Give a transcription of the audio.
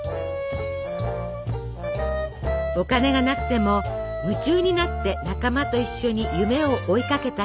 お金がなくても夢中になって仲間と一緒に夢を追いかけた日々。